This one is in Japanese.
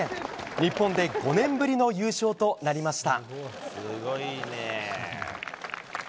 日本で５年ぶりの優勝となりました。